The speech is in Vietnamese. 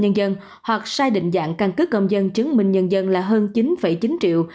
nhân dân hoặc sai định dạng căn cứ công dân chứng minh nhân dân là hơn chín chín triệu